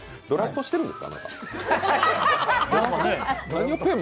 ドラフトしてるんですか？